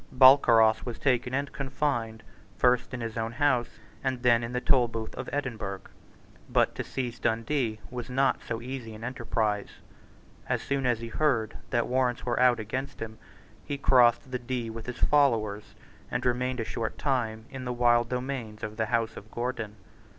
Balcarras was taken and confined, first in his own house, and then in the Tolbooth of Edinburgh. But to seize Dundee was not so easy an enterprise. As soon as he heard that warrants were out against him, he crossed the Dee with his followers, and remained a short time in the wild domains of the House of Gordon.